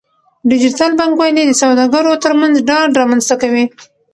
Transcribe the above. ډیجیټل بانکوالي د سوداګرو ترمنځ ډاډ رامنځته کوي.